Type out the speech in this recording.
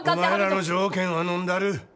お前らの条件はのんだる。